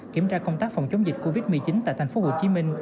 kiểm tra công tác phòng chống dịch covid một mươi chín tại tp hcm